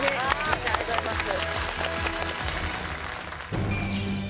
ありがとうございます